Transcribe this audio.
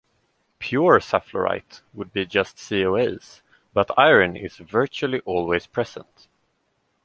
"Pure" safflorite would be just CoAs, but iron is virtually always present.